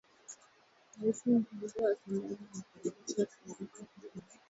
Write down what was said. Rais mteule wa Somalia anakaribisha taarifa kwamba kikosi maalum cha operesheni cha Marekani